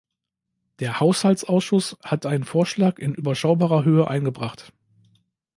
Der Haushaltsausschuss hat einen Vorschlag in überschaubarer Höhe eingebracht.